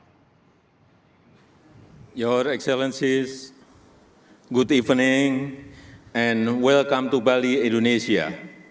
pemirsa selamat malam dan selamat datang di bali indonesia